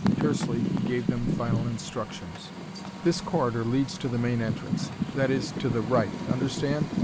Tersely he gave them final instructions. "This corridor leads to the main entrance. That is, to the right understand?